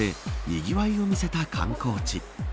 にぎわいを見せた観光地。